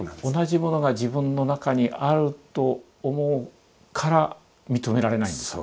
同じものが自分の中にあると思うから認められないんですか？